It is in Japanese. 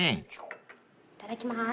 いただきます。